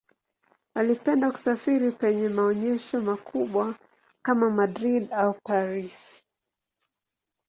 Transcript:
Alipenda kusafiri penye maonyesho makubwa kama Madrid au Paris.